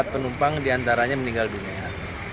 empat penumpang diantaranya meninggal dunia